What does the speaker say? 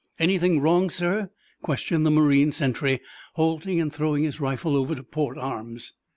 "Anything wrong, sir?" questioned the marine sentry, halting and throwing his rifle over to port arms.